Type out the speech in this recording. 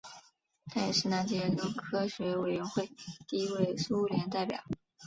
他也是南极研究科学委员会第一位苏联代表。